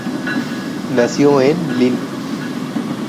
Nació en Lille.